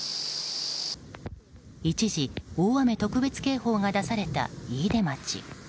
一時、大雨特別警報が出された飯豊町。